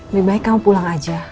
lebih baik kamu pulang aja